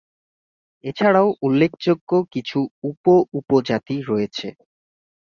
এছাড়াও উল্লেখযোগ্য কিছু উপ-উপজাতি রয়েছে।